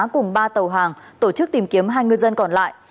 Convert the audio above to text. cùng ba tàu hàng tổ chức tìm kiếm hai ngư dân còn lại